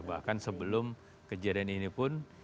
bahkan sebelum kejadian ini pun